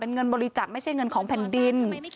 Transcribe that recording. เงินบริจักษ์ไม่ใช่เงินของแผ่นดิน